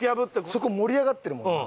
そこ盛り上がってるもんな。